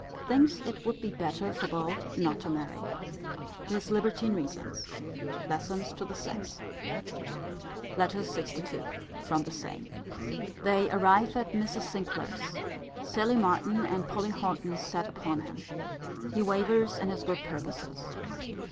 Thinks it would be better for both not to marry. His libertine reasons. Lessons to the sex. LETTER LXII. From the same. They arrive at Mrs. Sinclair's. Sally Martin and Polly Horton set upon him. He wavers in his good purposes.